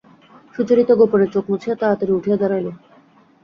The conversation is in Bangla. সুচরিতা গোপনে চোখ মুছিয়া তাড়াতাড়ি উঠিয়া দাঁড়াইল।